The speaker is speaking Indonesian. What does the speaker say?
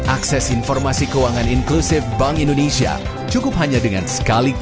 akses informasi keuangan inklusif bank indonesia cukup hanya dengan sekali